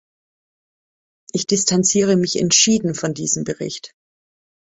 Ich distanziere mich entschieden von diesem Bericht.